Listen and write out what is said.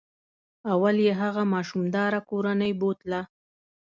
اول یې هغه ماشوم داره کورنۍ بوتله.